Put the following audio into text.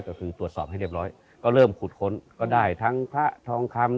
ก็คือตรวจสอบให้เรียบร้อยก็เริ่มขุดค้นก็ได้ทั้งพระทองคำ